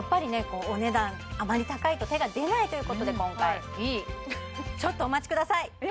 こうお値段あまり高いと手が出ないということで今回いいっちょっとお待ちください